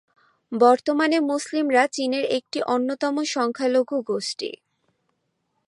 বর্তমানে মুসলিমরা চীনের একটি অন্যতম সংখ্যালঘু গোষ্ঠী।